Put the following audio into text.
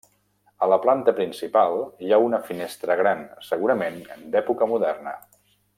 A la planta principal hi ha una finestra gran, segurament d'època moderna.